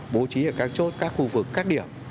bố trí ở các chốt các khu vực các điểm